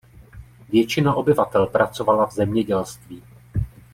Většina obyvatel pracovala v zemědělství.